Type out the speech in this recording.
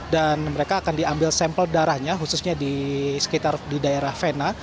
dan mereka akan diambil sampel darahnya khususnya di sekitar daerah vena